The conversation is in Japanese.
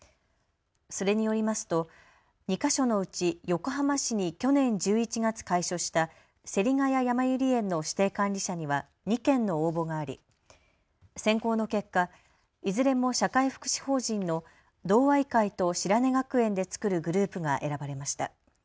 それによりますと２か所のうち横浜市に去年１１月開所した芹が谷やまゆり園の指定管理者には２件の応募があり選考の結果いずれも社会福祉法人の同愛会と白根学園で作るグループが選ばれました。